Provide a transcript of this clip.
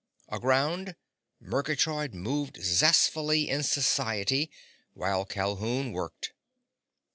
Aground, Murgatroyd moved zestfully in society while Calhoun worked.